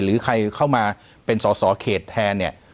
หรือใครเข้ามาเป็นสอสอเขตแทนเนี่ย